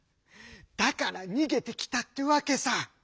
だからにげてきたってわけさ」。